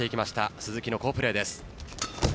鈴木の好プレーです。